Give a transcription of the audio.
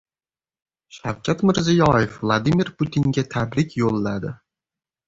Shavkat Mirziyoyev Vladimir Putinga tabrik yo‘lladi